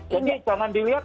jadi jangan dilihat